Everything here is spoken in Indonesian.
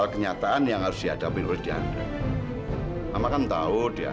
dengan suami kamu